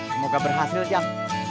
semoga berhasil cak